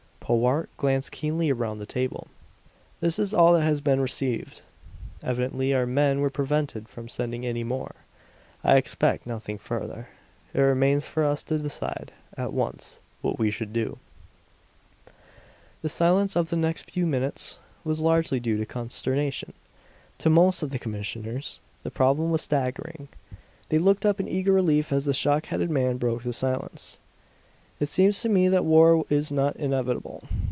Powart glanced keenly around the table. "This is all that has been received. Evidently our men were prevented from sending any more. I expect nothing further. It remains for us to decide, at once, what we should do." The silence of the next few minutes was largely due to consternation. To most of the commissioners the problem was staggering. They looked up in eager relief as the shock headed man broke the silence. "It seems to me that war is not inevitable.